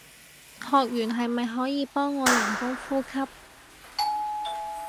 學完係咪可以幫我人工呼吸